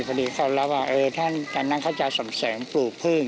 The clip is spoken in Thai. พอดีเขารับว่าท่านกำลังจะสำเสริมปลูกพื้น